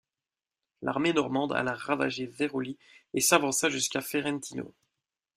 L'armée normande alla ravager Veroli et s'avança jusqu'à Ferentino.